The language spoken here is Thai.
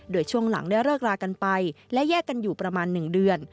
โดยช่วงหลังได้เลิกรากันไปและแยกกันอยู่ประมาณ๑เดือน